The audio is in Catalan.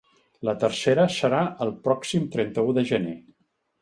La tercera serà el pròxim trenta-u de gener.